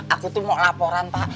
aku tuh mau laporan pak